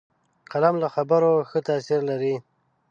قلم له خبرو ښه تاثیر لري